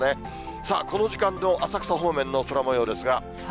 さあ、この時間の浅草方面の空もようですが。